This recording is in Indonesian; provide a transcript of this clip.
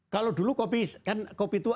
kalau dulu kopi kan kopi itu